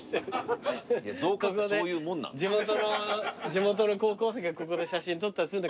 地元の高校生がここで写真撮ったりすんのかな？